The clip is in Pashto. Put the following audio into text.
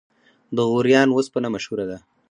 د غوریان وسپنه مشهوره ده